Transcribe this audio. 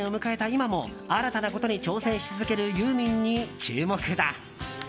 今も新たなことに挑戦し続けるユーミンに注目だ。